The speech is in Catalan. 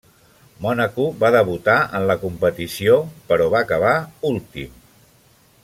Mònaco va debutar en la competició, però va acabar últim.